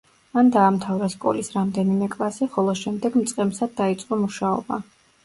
მან დაამთავრა სკოლის რამდენიმე კლასი, ხოლო შემდეგ მწყემსად დაიწყო მუშაობა.